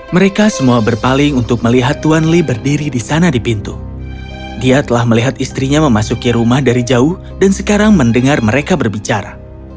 mereka semua berpaling untuk melihat tuan lee berdiri di sana di pintu dia telah melihat istrinya memasuki rumah dari jauh dan sekarang mendengar mereka berbicara